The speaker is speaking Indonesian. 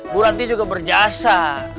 bu ranti juga berjasa